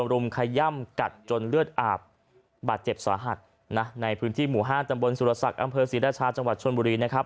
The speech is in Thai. รุมขย่ำกัดจนเลือดอาบบาดเจ็บสาหัสนะในพื้นที่หมู่๕ตำบลสุรศักดิ์อำเภอศรีราชาจังหวัดชนบุรีนะครับ